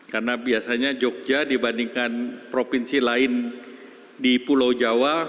karena biasanya yogyakarta dibandingkan provinsi lain di pulau jawa